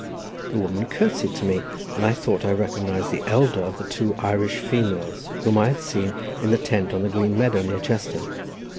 The woman curtseyed to me, and I thought I recognised the elder of the two Irish females whom I had seen in the tent on the green meadow near Chester.